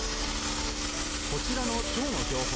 こちらのチョウの標本。